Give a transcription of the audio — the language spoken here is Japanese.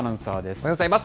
おはようございます。